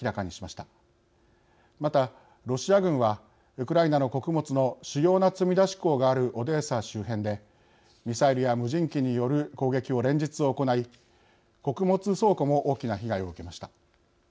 またロシア軍はウクライナの穀物の主要な積み出し港があるオデーサ周辺でミサイルや無人機による攻撃を連日行い穀物倉庫も大きな被害を受けました。